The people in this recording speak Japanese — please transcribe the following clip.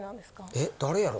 え誰やろ？